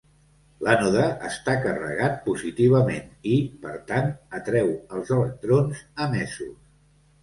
L'ànode està carregat positivament i, per tant, atreu els electrons emesos.